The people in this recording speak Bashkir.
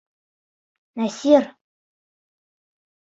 Насир